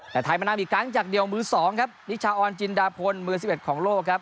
แต่ไทยมานำอีกครั้งจากเดียวมือ๒ครับนิชาออนจินดาพลมือ๑๑ของโลกครับ